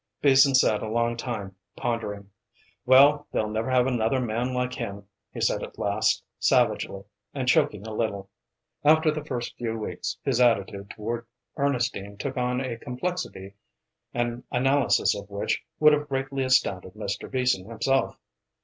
Beason sat a long time pondering. "Well, they'll never have another man like him," he said at last, savagely, and choking a little. After the first few weeks his attitude toward Ernestine took on a complexity an analysis of which would have greatly astounded Mr. Beason himself.